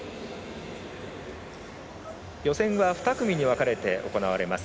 予選は２組に分かれて行われます。